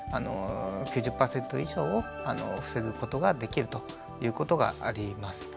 ９０％以上を防ぐことができるということがあります。